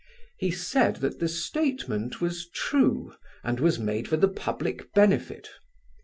He said that the statement was true and was made for the public benefit.